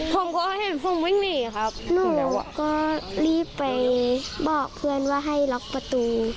ผมก็เห็นผมวิ่งหนีครับหนูก็รีบไปบอกเพื่อนว่าให้ล็อกประตู